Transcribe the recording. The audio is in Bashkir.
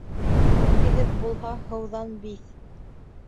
Үткеһеҙ булһа, һыуҙан биҙ.